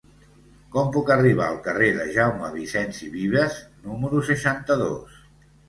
Com puc arribar al carrer de Jaume Vicens i Vives número seixanta-dos?